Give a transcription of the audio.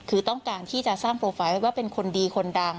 คือต้องการที่จะสร้างโปรไฟล์ว่าเป็นคนดีคนดัง